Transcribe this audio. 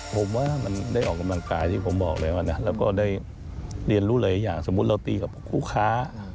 ผมว่ามันได้ออกกำลังกายที่ผมบอกแล้วนะแล้วก็ได้เรียนรู้หลายอย่างสมมุติเราตีกับคู่ค้า